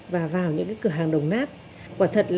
và vào những cửa hàng đồng nát